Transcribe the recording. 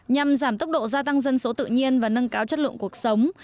nhằm giảm tốc độ gia tăng dân số tự nhiên và nâng cao chất lượng cuộc sống